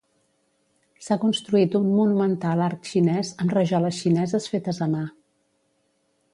S'ha construït un monumental arc xinès amb rajoles xineses fetes a mà.